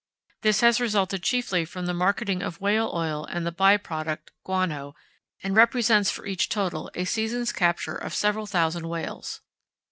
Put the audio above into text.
This has resulted chiefly from the marketing of whale oil and the by product, guano, and represents for each total a season's capture of several thousand whales.